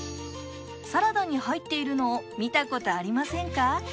サラダに入っているのを見たことありませんか？